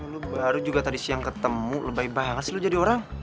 lu baru juga tadi siang ketemu lebay banget sih lo jadi orang